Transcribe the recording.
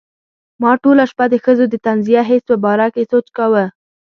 ما ټوله شپه د ښځو د طنزیه حس په باره کې سوچ کاوه.